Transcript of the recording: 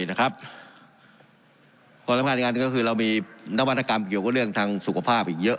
นะครับความรับความรับงานก็คือเรามีนวัฒนกรรมเกี่ยวกับเรื่องทางสุขภาพอีกเยอะ